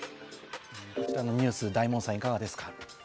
このニュース、大門さん、いかがですか？